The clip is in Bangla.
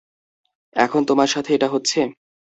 এখন তোমার সাথে এটা হচ্ছে?